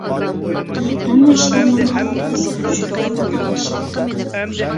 ھەممە ئىشلارنىڭ ھامان ئىزىغا چۈشىدىغانلىقىغا ئىشەن.